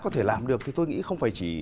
có thể làm được thì tôi nghĩ không phải chỉ